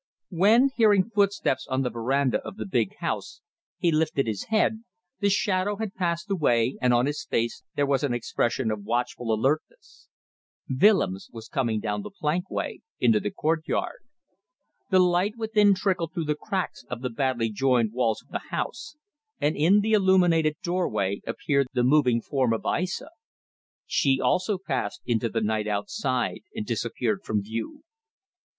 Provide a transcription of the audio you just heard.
When, hearing footsteps on the verandah of the big house, he lifted his head, the shadow had passed away and on his face there was an expression of watchful alertness. Willems was coming down the plankway, into the courtyard. The light within trickled through the cracks of the badly joined walls of the house, and in the illuminated doorway appeared the moving form of Aissa. She also passed into the night outside and disappeared from view.